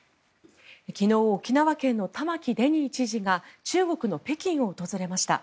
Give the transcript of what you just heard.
昨日、沖縄県の玉城デニー知事が中国の北京を訪れました。